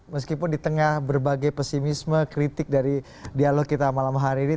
meskipun di tengah berbagai pesimisme kritik dari dialog kita malam hari ini